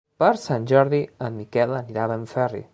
Per Sant Jordi en Miquel anirà a Benferri.